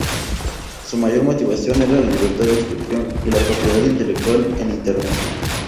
Su mayor motivación era la libertad de expresión y la propiedad intelectual en Internet.